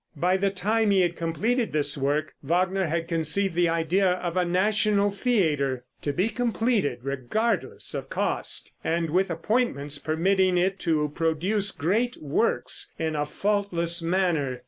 By the time he had completed this work, Wagner had conceived the idea of a national theater, to be completed regardless of cost, and with appointments permitting it to produce great works in a faultless manner.